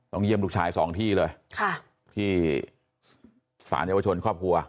ต้องเยี่ยมลูกชาย๒ที่เลยที่ศาลยาวชนครอบครัว